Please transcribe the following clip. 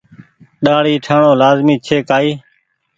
ڏآڙي ٺآڻو لآزمي ڇي۔ ڪآئي۔